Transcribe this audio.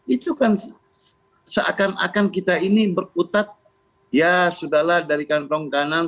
itu kan seakan akan kita ini berputar ya sudah lah dari kantong kanan